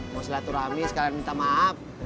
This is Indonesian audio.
mau silaturahmi sekalian minta maaf